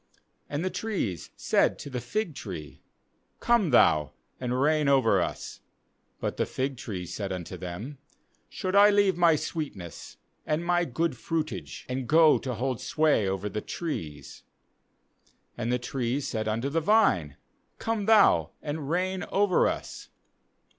10And the trees said to the fig tree: Come thou, and reign over us. uBut the fig tree said unto them: Should I leave my sweetness, and my good fruitage, and go to hold sway over the trees? 12And the trees said unto the vine: Come thou, and reign over us.